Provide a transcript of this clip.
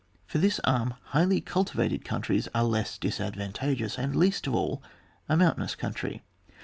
For this arm highly cul tivated countries are less disadvantageous, and least of all a mountainous country.